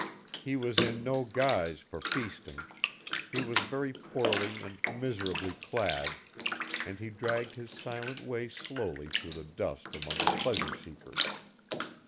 He was in no guise for feasting: he was very poorly and miserably clad, and he dragged his silent way slowly through the dust among the pleasure seekers.